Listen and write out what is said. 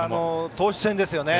投手戦ですよね。